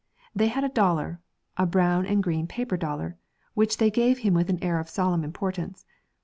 They had a dollar a brown and green paper dollar which they gave him with an air of solemn importance.